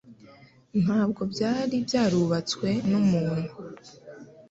ntabwo bwari bwarubatswe n'umuntu.